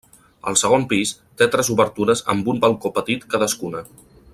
El segon pis, té tres obertures amb un balcó petit cadascuna.